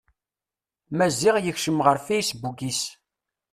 Maziɣ yekcem ɣer fasebbuk-is.